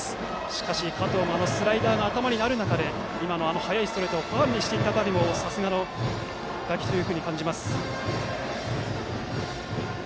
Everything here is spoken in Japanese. しかし、加藤もスライダーが頭にある中で今の速いストレートをファウルにした辺りさすがと感じます。